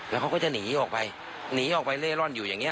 แล้วเขาก็จะหนีออกไปหนีออกไปเล่ร่อนอยู่อย่างนี้